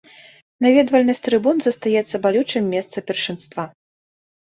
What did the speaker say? Наведвальнасць трыбун застаецца балючым месца першынства.